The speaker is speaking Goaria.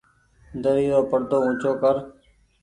دري رو پڙدو اونچو ڪر۔